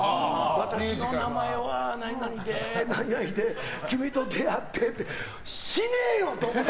私の名前は何々で何々で君と出会ってって死ねよ！と思って。